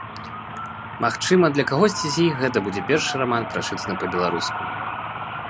Магчыма, для кагосьці з іх гэта будзе першы раман, прачытаны па-беларуску.